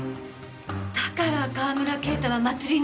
だから川村啓太は祭りに現れたのね。